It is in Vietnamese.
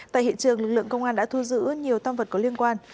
tại hiện trường lực lượng công an đã thu giữ nhiều tam vật có liên quan